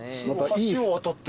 橋を渡って。